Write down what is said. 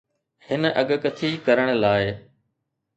هن اڳڪٿي ڪرڻ لاء